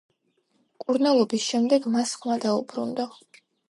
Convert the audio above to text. მკურნალობის შემდეგ მას ხმა დაუბრუნდა.